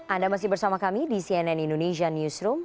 anda masih bersama kami di cnn indonesia newsroom